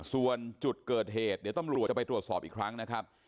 ส่วนจุดเกิดเหตุเดี๋ยวตำรวจจะไปตรวจสอบอีกครั้งนะครับ